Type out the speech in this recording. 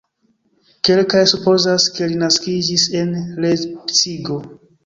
Kelkaj supozas, ke li naskiĝis en Lejpcigo.